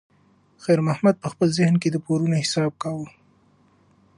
خیر محمد په خپل ذهن کې د پورونو حساب کاوه.